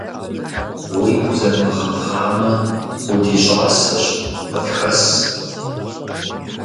Уигу зэдмыгъэбгъамэ, удищӀасэщ, къытхэс.